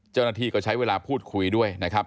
เจ้าหน้าที่ก็ใช้เวลาพูดคุยด้วยนะครับ